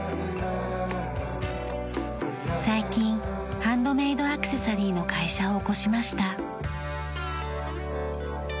最近ハンドメイドアクセサリーの会社を興しました。